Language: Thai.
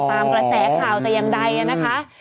ตามกระแสข่าวแต่อย่างใดนะคะ